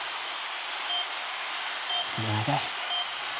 長い。